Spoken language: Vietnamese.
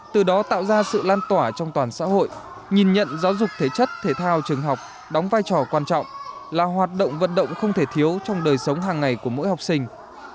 từ đó tạo ra sự lan tỏa trong toàn xã hội nhìn nhận giáo dục thể chất thể thao trường học đóng vai trò quan trọng là hoạt động vận động không thể thiếu trong đời sống hàng ngày của mỗi học sinh